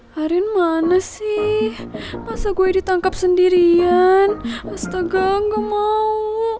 karin mana sih masa gue ditangkap sendirian astaga gak mau